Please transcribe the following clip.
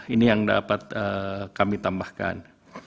ini yang dapat kami tambahkan